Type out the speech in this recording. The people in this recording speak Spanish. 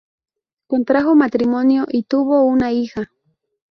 Contrajo matrimonio y tuvo una hija.